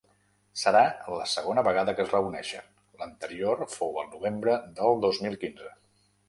Serà la segona vegada que es reuneixen; l’anterior fou el novembre del dos mil quinze.